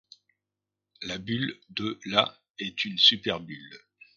La bulle de la est une superbulle.